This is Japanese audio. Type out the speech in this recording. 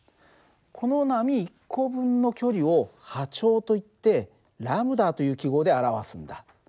この波１個分の距離を波長といってλという記号で表すんだ。